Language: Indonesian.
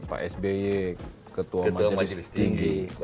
pak sby ketua majelis tinggi